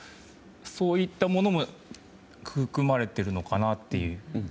そういったものも含まれているのかなって。